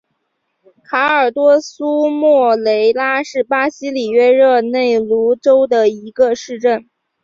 卡尔多苏莫雷拉是巴西里约热内卢州的一个市镇。